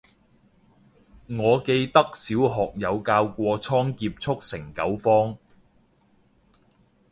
我記得小學有教過倉頡速成九方